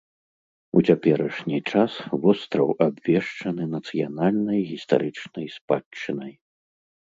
У цяперашні час востраў абвешчаны нацыянальнай гістарычнай спадчынай.